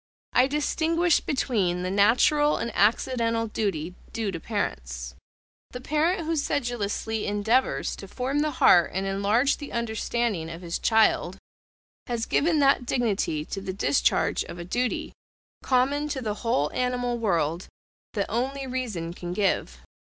I distinguish between the natural and accidental duty due to parents. The parent who sedulously endeavours to form the heart and enlarge the understanding of his child, has given that dignity to the discharge of a duty, common to the whole animal world, that only reason can give.